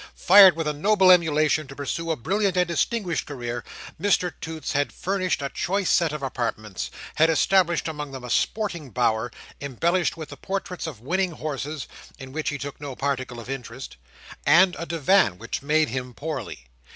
Fired with a noble emulation to pursue a brilliant and distinguished career, Mr Toots had furnished a choice set of apartments; had established among them a sporting bower, embellished with the portraits of winning horses, in which he took no particle of interest; and a divan, which made him poorly.